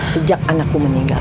sejak anakku meninggal